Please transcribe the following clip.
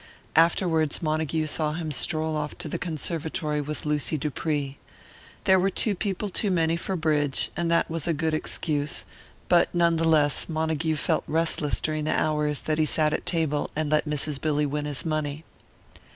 Afterwards Montague saw him stroll off to the conservatory with Lucy Dupree. There were two people too many for bridge, and that was a good excuse; but none the less Montague felt restless during the hours that he sat at table and let Mrs. Billy win his money.